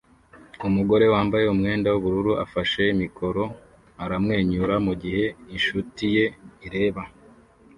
Umugore wambaye umwenda w'ubururu afashe mikoro aramwenyura mugihe inshuti ye ireba